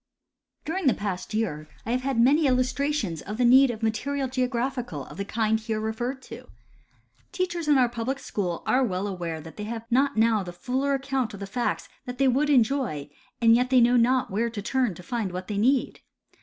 During the past year, I have had many illustrations of the need of material of geographical of the kind here referred to. Teachers in our pul ilic schools are well aware that they have not now the fuller account of the facts that they Avould enjo}^; and yet they know not where to turn to find what they need.